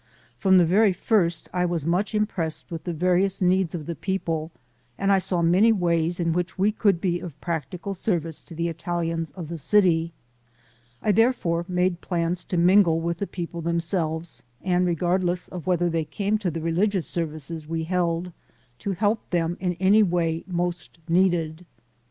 From the very first I was much impressed with the various needs of the people and I saw many ways in which we could be of practical service to the Italians of the city. I therefore made plans to mingle with the people themselves, and, regardless of whether they came to the religious services we held, to help them in any way most needed.